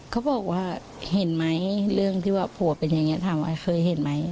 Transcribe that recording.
เขาบอกว่าเห็นไหมเรื่องที่ว่าผัวเป็นอย่างนี้ถามว่าเคยเห็นไหม